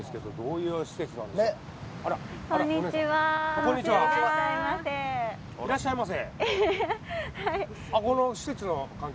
いらっしゃいませ。